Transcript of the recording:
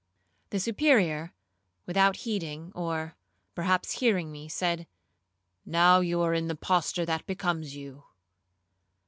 The Superior, without heeding, or perhaps hearing me, said, 'Now you are in the posture that becomes you.'